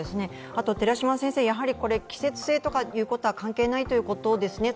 あと、季節性ということは関係ないということですね？